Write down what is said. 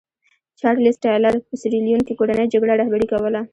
چارلېز ټایلر په سیریلیون کې کورنۍ جګړه رهبري کوله.